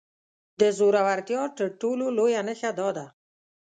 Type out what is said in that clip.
د زورورتيا تر ټولو لويه نښه دا ده.